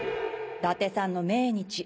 伊達さんの命日。